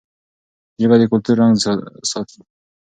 ژبه د کلتور رنګ ساتي.